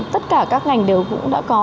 tất cả các ngành đều cũng đã có